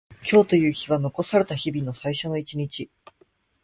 今日という日は残された日々の最初の一日。